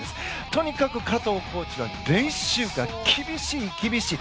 とにかく加藤コーチは練習が厳しい厳しい。